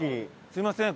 すみません